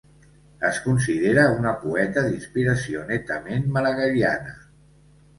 Es considera una poeta d'inspiració netament maragalliana.